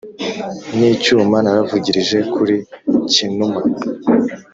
n'icyuma navugilije kuli cyinuma.